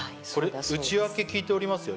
内訳聞いておりますよ。